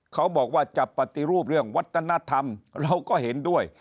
เขาบอกว่าจะปฏิรูปเรื่องวัฒนธรรมเราก็เห็นด้วย